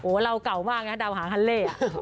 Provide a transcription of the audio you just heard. เราเก่ามากนะดาวหางฮัลเล่